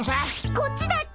こっちだっけ？